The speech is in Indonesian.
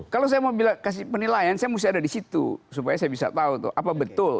kalau saya mau kasih penilaian saya mesti ada di situ supaya saya bisa tahu tuh apa betul